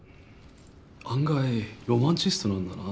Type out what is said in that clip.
案外ロマンチストなんだな。